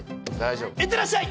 いってらっしゃい！